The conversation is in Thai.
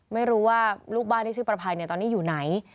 ไม่รู้ว่าลูกบ้านที่ชื่อประภัยตอนนี้อยู่ไหน